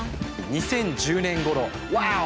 ２０１０年ごろワオ！